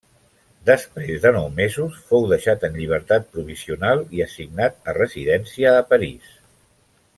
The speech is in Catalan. Després de nou mesos fou deixat en llibertat provisional i assignat a residència a París.